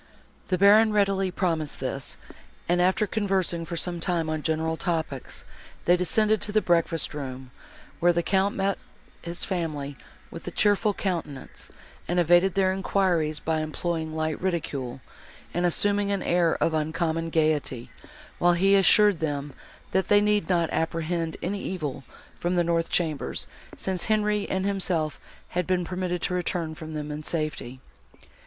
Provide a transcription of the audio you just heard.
The Baron readily promised this, and, after conversing for some time on general topics, they descended to the breakfast room, where the Count met his family with a cheerful countenance, and evaded their enquiries by employing light ridicule, and assuming an air of uncommon gaiety, while he assured them, that they need not apprehend any evil from the north chambers, since Henri and himself had been permitted to return from them in safety.